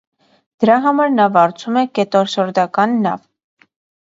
Դրա համար նա վարձում է կետորսորդական նավ։